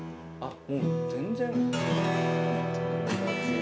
もう全然。